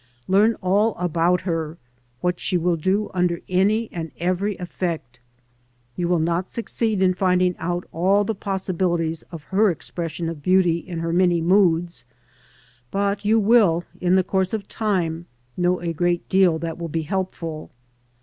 Learn all about her, what she will do under any and every effect. You will not succeed in finding out all the possibilities of her expression of beauty in her many moods, but you will, in the course of time, know a great deal that will be helpful.